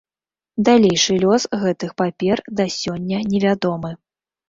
Далейшы лёс гэтых папер, да сёння невядомы.